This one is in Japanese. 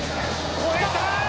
越えた！